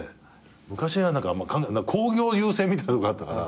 昔は興行優先みたいなとこあったから。